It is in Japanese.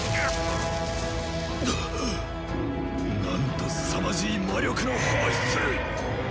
なんとすさまじい魔力の放出！